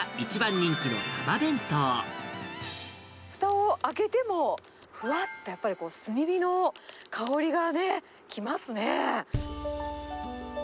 ふたを開けても、ふわっとやっぱり炭火の香りがね、来ますね。